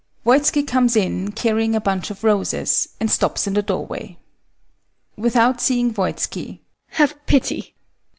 VOITSKI comes in carrying a bunch of roses, and stops in the doorway. HELENA. [Without seeing VOITSKI] Have pity!